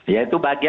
ya itu bagaimana